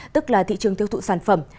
tức là thị trường tiêu thụ sản phẩm